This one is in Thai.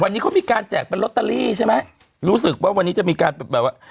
วันนี้เขามีการแจกเป็นลอตเตอรี่ใช่ไหมรู้สึกว่าวันนี้จะมีการแบบว่า